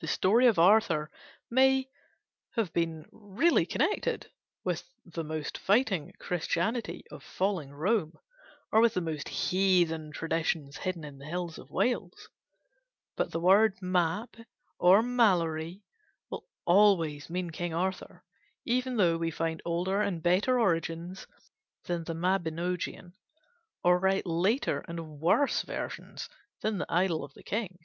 The story of Arthur may have been really connected with the most fighting Christianity of falling Rome or with the most heathen traditions hidden in the hills of Wales. But the word "Mappe" or "Malory" will always mean King Arthur; even though we find older and better origins than the Mabinogian; or write later and worse versions than the "Idylls of the King."